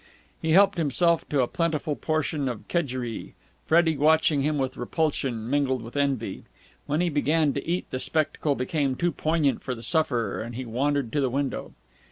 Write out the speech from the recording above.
He helped himself to a plentiful portion of kedgeree, Freddie watching him with repulsion mingled with envy. When he began to eat the spectacle became too poignant for the sufferer, and he wandered to the window.